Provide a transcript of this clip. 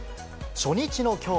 初日のきょう。